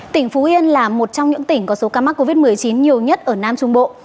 tỉnh phú yên là một trong những tỉnh có số ca mắc covid một mươi chín nhiều nhất ở nam trung bộ